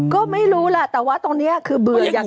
ก็ไม่รู้ล่ะแต่ว่าตรงเนี้ยคือเบื่ออยากก็ไม่